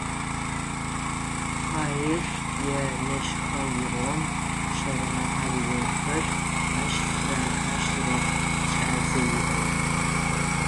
Хъяр е нэшхъэигъом щэлэмэ-хьалыжъохэр ащ тыралъхьащтыгъэх кӏадзэ иӏэу.